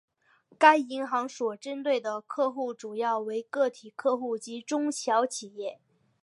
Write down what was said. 该银行所针对的客户主要为个体客户及中小企业。